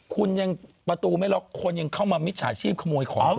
คุณยังประตูไม่ล็อกคนยังเข้ามามิจฉาชีพขโมยของ